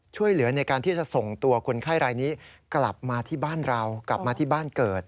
ช่วยเหลือในการที่จะส่งตัวคนไข้รายนี้กลับมาที่บ้านเรากลับมาที่บ้านเกิด